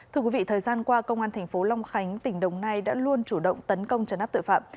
thưa quý vị thời gian qua công an thành phố long khánh tỉnh đồng nai đã luôn chủ động tấn công trấn áp tội phạm